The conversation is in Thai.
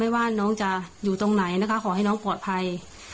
ว่าน้องจะอยู่ตรงไหนนะคะขอให้น้องปลอดภัย